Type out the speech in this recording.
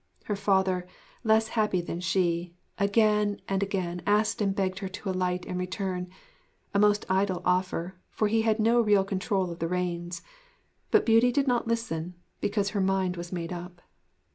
Her father, less happy than she, again and again asked and begged her to alight and return a most idle offer, for he had no real control of the reins. But Beauty did not listen, because her mind was made up.